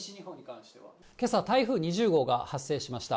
けさ、台風２０号が発生しました。